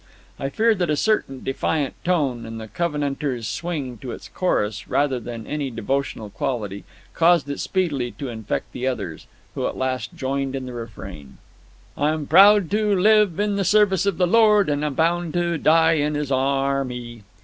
I fear that a certain defiant tone and Covenanter's swing to its chorus, rather than any devotional quality, caused it speedily to infect the others, who at last joined in the refrain: "I'm proud to live in the service of the Lord, And I'm bound to die in His army."